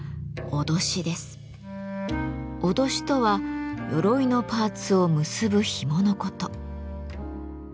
威しとは鎧のパーツを結ぶひものこと。